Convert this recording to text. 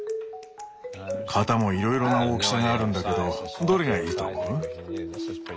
型もいろいろな大きさがあるんだけどどれがいいと思う？